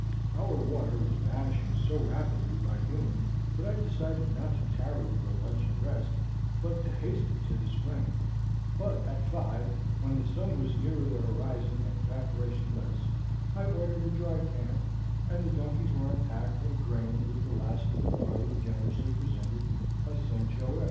Our water was vanishing so rapidly by noon that I decided not to tarry for lunch and rest, but to hasten to the spring; but at five, when the sun was nearer the horizon and evaporation less, I ordered a dry camp, and the donkeys were unpacked and grained with the last of the barley generously presented by St. Joer.